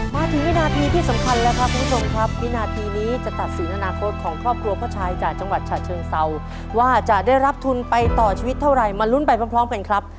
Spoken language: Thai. มาถึงวินาทีที่สำคัญแล้วครับคุณผู้ชมครับวินาทีนี้จะตัดสินอนาคตของครอบครัวพ่อชายจากจังหวัดฉะเชิงเซาว่าจะได้รับทุนไปต่อชีวิตเท่าไรมาลุ้นไปพร้อมกันครับ